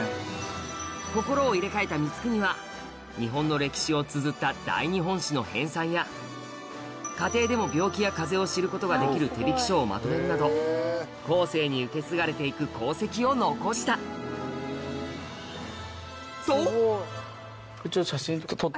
心を入れ替えた光圀はの編さんや家庭でも病気や風邪を知ることができる手引書をまとめるなど後世に受け継がれていく功績を残したと！